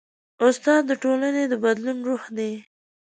استاد د ټولنې د بدلون روح دی.